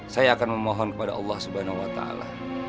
saya akan memohon kepada allah subhanahu wa ta'ala